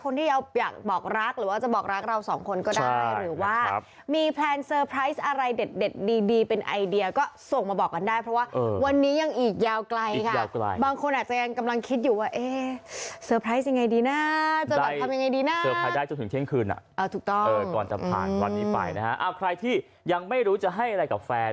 นี่ไงก็สีชมพูอยู่แล้ว